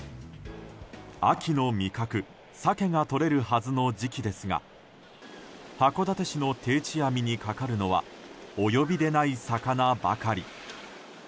秋の味覚サケがとれるはずの時期ですが函館市の定置網にかかるのはお呼びではない魚ばかり。